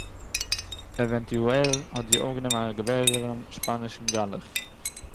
עווענטועל האָט זי אויפגענומען אַ געוועזענעם שפּאַנישן גלח